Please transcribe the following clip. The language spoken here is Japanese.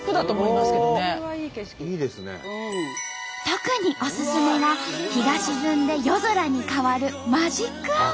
特におすすめが日が沈んで夜空に変わるマジックアワー。